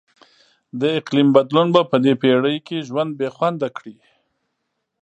د اقلیم بدلون به په دې پیړۍ کې ژوند بیخونده کړي.